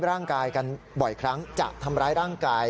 พระขู่คนที่เข้าไปคุยกับพระรูปนี้